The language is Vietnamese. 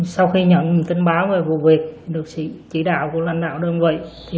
sau khi nhận tin báo về vụ việc được sự chỉ đạo của lãnh đạo đơn vị